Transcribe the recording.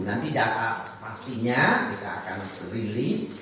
nanti data pastinya kita akan rilis